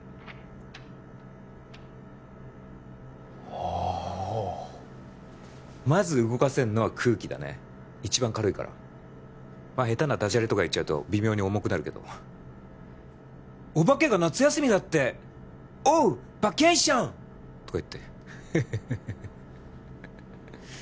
ああまず動かせんのは空気だね一番軽いからまあヘタなダジャレとか言っちゃうと微妙に重くなるけどオバケが夏休みだってオうバケーション！とか言ってヘヘヘヘ